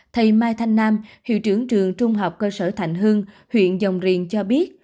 thầy mai thanh nam hiệu trưởng trường trung học cơ sở thạnh hương huyện dòng riền cho biết